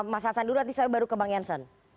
mas hasan dulu nanti saya baru ke bang jansen